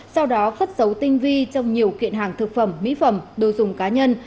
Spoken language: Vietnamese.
sau đó cất dấu tinh vi trong nhiều kiện hàng thực phẩm mỹ phẩm đồ dùng cá nhân